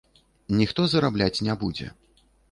Ніхто зарабляць не будзе.